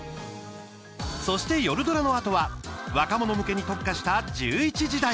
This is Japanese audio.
そして、夜ドラのあとは若者向けに特化した１１時台。